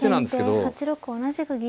先手８六同じく銀。